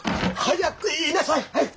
早く言いなさい！